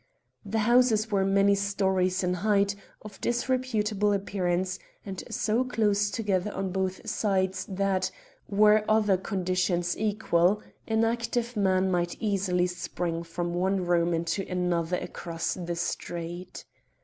The houses were many storeys in height, of disreputable appearance, and so close together on both sides that, were other conditions equal, an active man might easily spring from one room into another across the street.